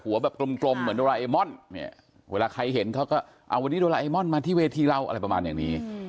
วันนี้โดลาไอมอนมาที่เวทีเล่าอะไรประมาณอย่างนี้